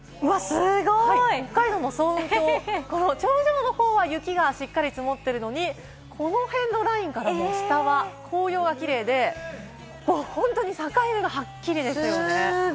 北海道の朝陽山、頂上の方は雪が積もってるのに、この辺のラインから下は紅葉がキレイで本当に境目がはっきりですよね。